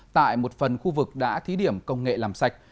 tại một phần khu vực đã thí điểm công nghệ làm sạch